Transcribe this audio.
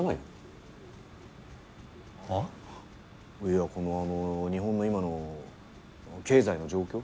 いやこのあの日本の今の経済の状況？